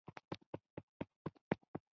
دا تر پخوا هم ناوړه پایلې لرلای شي.